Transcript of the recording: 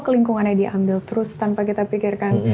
karena diambil terus tanpa kita pikirkan